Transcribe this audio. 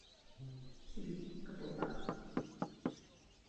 Pravomoci komisařů by byly dále rozdělovány.